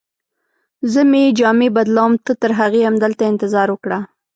زه مې جامې بدلوم، ته ترهغې همدلته انتظار وکړه.